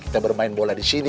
kita bermain bola di sini